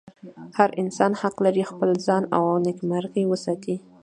هر انسان حق لري خپل ځان او نېکمرغي وساتي.